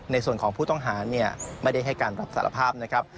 ในส่วนของผู้ต้องหาไม่ได้ให้การสรัพธิ์ภาพนะครับ